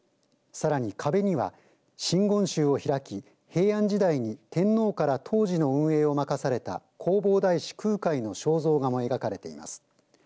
さらに、壁には、真言宗を開き平安時代に天皇から東寺の運営を任された弘法大師空海の肖像画も描かれています。